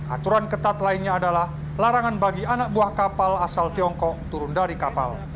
aturan ketat lainnya adalah larangan bagi anak buah kapal asal tiongkok turun dari kapal